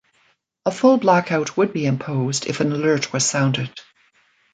A full Blackout would be imposed if an alert was sounded.